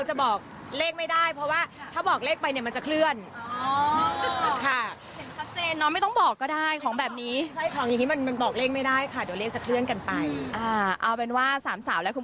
แต่ว่าหนึ่งอก็ไม่อยากจะบอกอะไรมาก